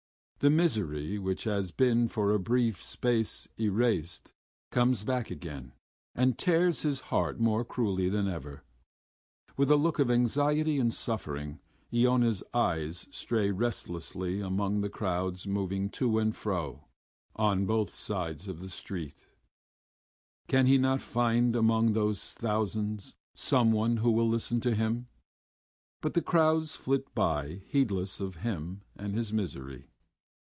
The misery which has been for a brief space eased comes back again and tears his heart more cruelly than ever. With a look of anxiety and suffering Iona's eyes stray restlessly among the crowds moving to and fro on both sides of the street: can he not find among those thousands someone who will listen to him? But the crowds flit by heedless of him and his misery....